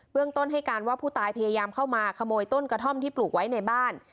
ต้นให้การว่าผู้ตายพยายามเข้ามาขโมยต้นกระท่อมที่ปลูกไว้ในบ้าน